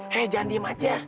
hei jangan diem aja ya